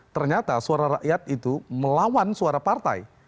ternyata suara rakyat itu melawan suara partai